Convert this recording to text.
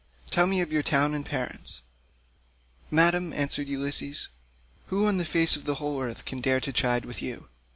Tell me of your town and parents." "Madam," answered Ulysses, "who on the face of the whole earth can dare to chide with you?